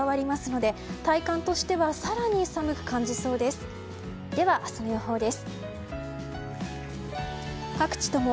では明日の予報です。